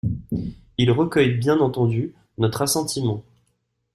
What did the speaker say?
Il recueille bien entendu notre assentiment.